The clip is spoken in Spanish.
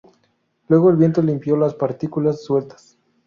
Luego el viento limpió las partículas sueltas.